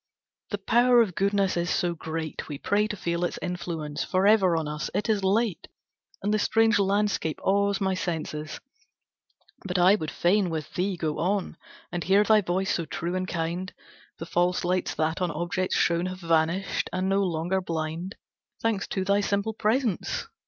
"The power of goodness is so great We pray to feel its influence For ever on us. It is late, And the strange landscape awes my sense; But I would fain with thee go on, And hear thy voice so true and kind; The false lights that on objects shone Have vanished, and no longer blind, Thanks to thy simple presence.